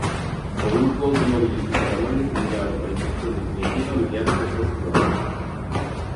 O grupo automobilístico alemán decidirá a localización definitiva a mediados do próximo ano.